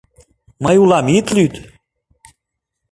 Мый улам, ит лӱд!..